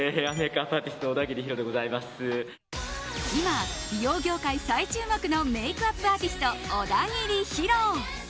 今、美容業界最注目のメイクアップアーティスト小田切ヒロ。